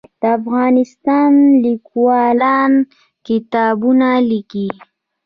د افغانستان لیکوالان کتابونه لیکي